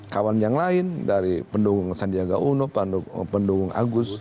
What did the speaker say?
kawan yang lain dari pendukung sandiaga uno pendukung agus